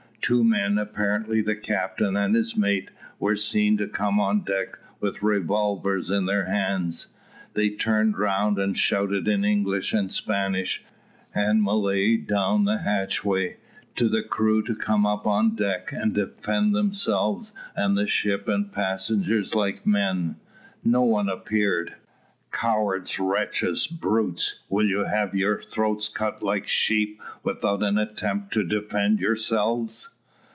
Two men, apparently the captain and his mate, were seen to come on deck with revolvers in their hands. They turned round, and shouted in English and Spanish, and Malay down the hatchway, to the crew to come up on deck, and defend themselves and the ship and passengers like men. No one appeared. "Cowards, wretches, brutes, will you have your throats cut like sheep without an attempt to defend yourselves?